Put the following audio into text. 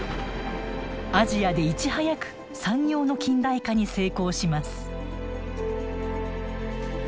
アジアでいち早く産業の近代化に成功します。